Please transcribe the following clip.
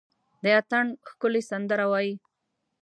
د اټن ښکلي سندره وايي،